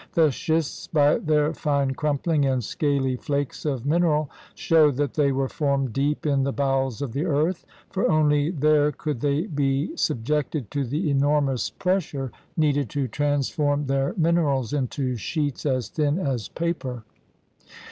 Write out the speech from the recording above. The schists by their fine crumphng and scaly flakes of mineral show that they were formed deep in the bowels of the earth, for only there could they be subjected to the enormous pressure needed to transform their minerals into sheets as thin as paper.